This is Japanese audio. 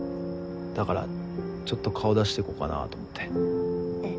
だからちょっと顔出してこっかなと思えっ？